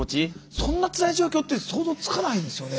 そんなつらい状況って想像つかないんですよね。